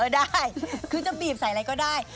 ได้คือจะบีบใส่อะไรก็ได้